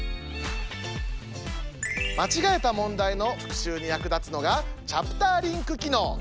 間違えた問題の復習に役立つのが「チャプターリンク」機能。